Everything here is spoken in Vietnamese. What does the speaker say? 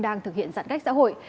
đang thực hiện giãn cách xã hội